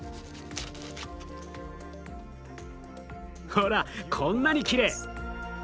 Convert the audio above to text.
ほらこんなにきれい。